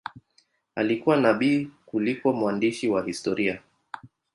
Alikuwa nabii kuliko mwandishi wa historia.